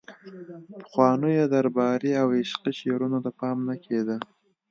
پخوانیو درباري او عشقي شعرونو ته پام نه کیده